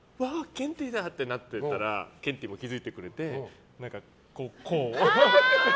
ケンティーだ！ってなってたらケンティーも気づいてくれてこう。